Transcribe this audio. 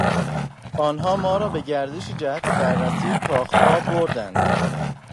آنها ما را به گردشی جهت بررسی کاخها بردند.